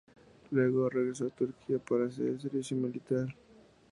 Luego, regresó a Turquía para hacer el servicio militar.